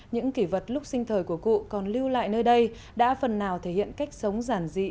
những kỷ vật lúc sinh thời của cụ còn lưu lại nơi đây đã phần nào thể hiện cách sống giản dị